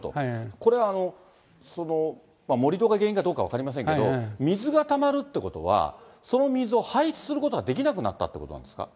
これは盛り土が原因かどうか分かりませんけど、水がたまるっていうことは、その水を排出することができなくなったということなんですか。